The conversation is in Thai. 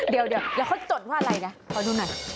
เดี๋ยวเขาจดว่าอะไรนะขอดูหน่อย